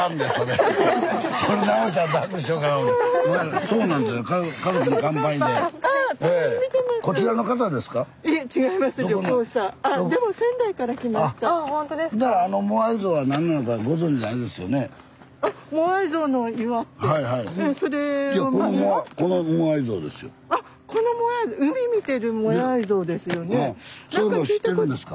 そういうの知ってるんですか？